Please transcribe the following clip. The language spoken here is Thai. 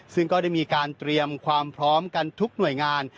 ซึ่งก็ได้มีการเตรียมความพร้อมกันทุกหน่วยงาน